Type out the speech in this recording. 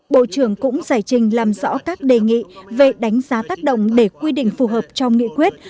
bộ trưởng cũng giải trình làm rõ các đề nghị về đánh giá tác động để quy định phù hợp trong nghị quyết